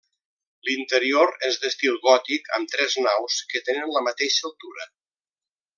L'interior és d'estil gòtic, amb tres naus que tenen la mateixa altura.